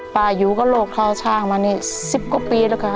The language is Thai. ป่ายูก็โรคเท่าช่างมานี่สิบกว่าปีแล้วกันค่ะ